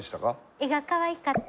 絵がかわいかった。